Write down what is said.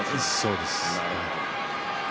そうですね。